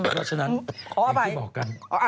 อ๋อแล้วฉะนั้นอย่างที่บอกกัน